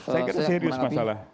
saya kira serius masalah